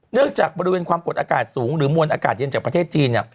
จากบริเวณความกดอากาศสูงหรือมวลอากาศเย็นจากประเทศจีน